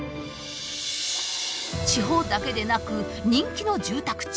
地方だけでなく人気の住宅地